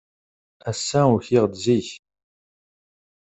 Ass-a, ukiɣ-d zik.